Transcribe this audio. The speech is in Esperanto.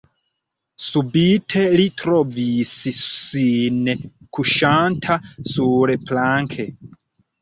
Subite li trovis sin kuŝanta surplanke.